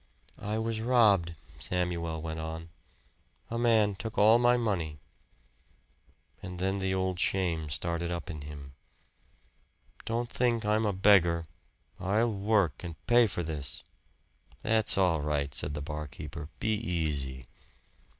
"I was robbed," Samuel went on. "A man took all my money." And then the old shame started up in him. "Don't think I'm a beggar. I'll work and pay for this." "That's all right," said the barkeeper. "Be easy."